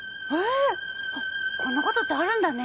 こんなことってあるんだね。